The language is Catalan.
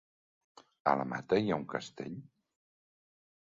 A la Mata hi ha un castell?